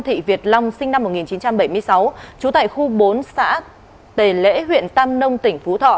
thị việt long sinh năm một nghìn chín trăm bảy mươi sáu trú tại khu bốn xã tề lễ huyện tam nông tỉnh phú thọ